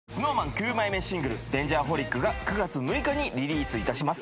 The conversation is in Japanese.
９枚目シングル『Ｄａｎｇｅｒｈｏｌｉｃ』が９月６日にリリースいたします。